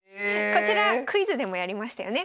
こちらクイズでもやりましたよね。